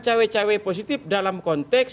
cawai cawai positif dalam konteks